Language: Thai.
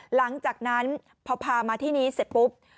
หลังจากนั้นพอพามาที่นี้เสร็จปุ๊บ